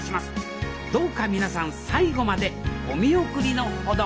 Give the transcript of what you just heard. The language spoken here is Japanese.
どうか皆さん最後までお見送りのほどをワン！